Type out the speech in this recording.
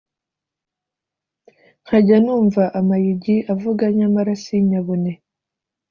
nkajya numva amayugi avuga nyamara sinyabone